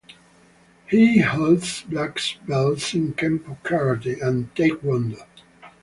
He holds black belts in kenpo karate and tae kwon do.